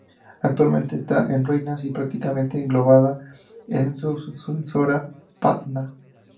Actualmente está en ruinas y prácticamente englobada en su sucesora, Patna.